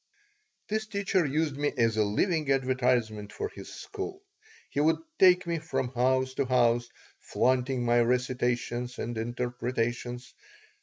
This teacher used me as a living advertisement for his school. He would take me from house to house, flaunting my recitations and interpretations.